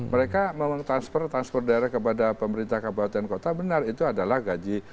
mereka mau transfer transfer daerah kepada pemerintah kabupaten kota benar itu adalah gaji ke tiga belas ke empat belas thr